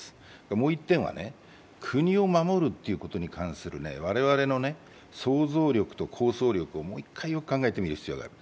もう１点は、国を守るということに関する我々の想像力と構想力をもう一回、よく考えてみる必要がある。